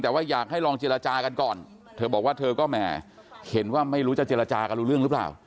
แต่ว่าอยากให้ลองเจรจากันก่อนเธอบอกว่าเธอก็แหมเห็นว่าไม่รู้จะเจรจากันรู้เรื่องหรือเปล่า